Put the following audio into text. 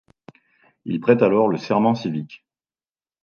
Il prête alors le serment civique.